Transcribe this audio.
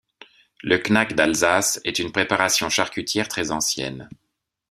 La knack d'Alsace est une préparation charcutière très ancienne.